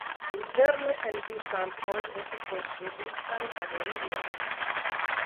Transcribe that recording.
Interne en du flankoj estis konstruitaj galerioj.